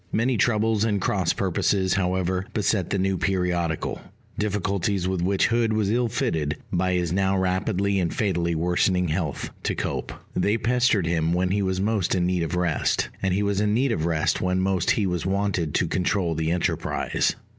Many troubles and cross purposes, however, beset the new periodical; difficulties with which Hood was ill fitted, by his now rapidly and fatally worsening health, to cope. They pestered him when he was most in need of rest; and he was in need of rest when most he was wanted to control the enterprise.